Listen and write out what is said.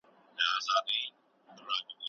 تاسي باید د خپل عزت ساتنه په کلکه وکئ.